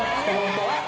怖っ。